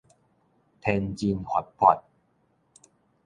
天真活潑